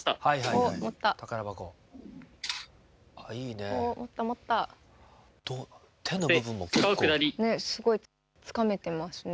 ねっすごいつかめてますね。